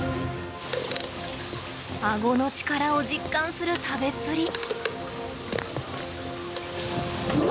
あごの力を実感する食べっぷり。